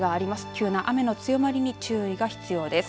急な雨の強まりに注意が必要です。